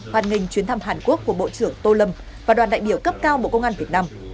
hoàn nghênh chuyến thăm hàn quốc của bộ trưởng tô lâm và đoàn đại biểu cấp cao bộ công an việt nam